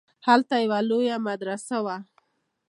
هلته يوه لويه مدرسه وه.